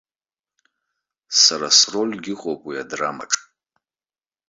Сара срольгьы ыҟоуп уи адрамаҿ.